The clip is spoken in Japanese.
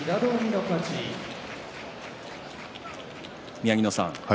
宮城野さん